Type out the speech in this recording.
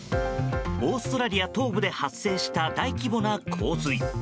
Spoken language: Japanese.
オーストラリア東部で発生した大規模な洪水。